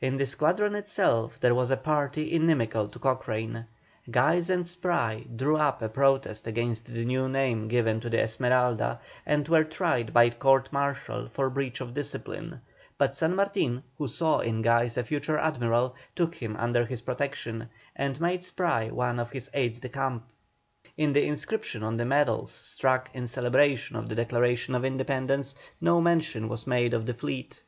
In the squadron itself there was a party inimical to Cochrane. Guise and Spry drew up a protest against the new name given to the Esmeralda, and were tried by court martial for breach of discipline, but San Martin, who saw in Guise a future admiral, took him under his protection, and made Spry one of his aides de camp. In the inscription on the medals struck in celebration of the Declaration of Independence, no mention was made of the fleet.